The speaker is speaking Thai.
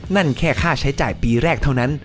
นั่นแค่ค่าใช้จ่ายปีแรกเท่านั้น